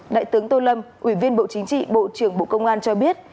đại tướng tô lâm ủy viên bộ chính trị bộ trưởng bộ công an cho biết